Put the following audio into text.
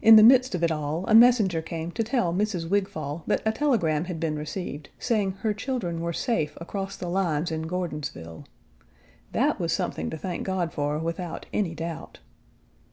In the midst of it all, a messenger came to tell Mrs. Wigfall that a telegram had been received, saying her children were safe across the lines in Gordonsville. That was something to thank God for, without any doubt.